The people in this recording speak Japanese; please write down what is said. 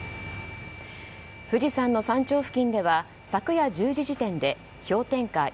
富士山の山頂付近では昨夜１０時時点で氷点下